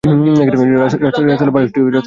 রাসূলের বালিশটি তিনি ফিরিয়ে দিলেন।